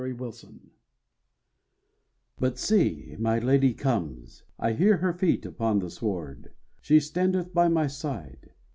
THE WELCOME But see: my lady comes. I hear her feet Upon the sward; she standeth by my side.